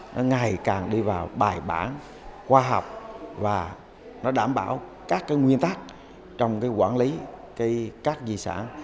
nó ngày càng đi vào bài bản khoa học và nó đảm bảo các nguyên tắc trong cái quản lý các di sản